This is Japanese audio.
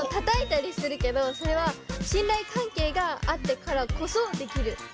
たたいたりするけどそれはしんらいかんけいがあってからこそできる。